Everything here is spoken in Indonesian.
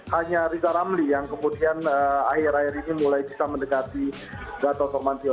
hanya riza ramli yang kemudian akhir akhir ini mulai bisa mendekati gatot nurmantio